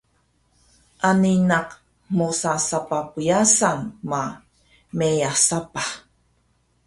Ani naq mosa sapah pyasan ma meyah sapah